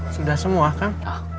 sudah semua kang